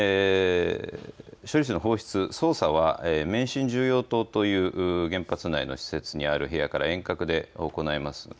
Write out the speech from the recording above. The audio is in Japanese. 処理水の放出操作は免震重要棟という原発内の施設にある部屋から遠隔で行います。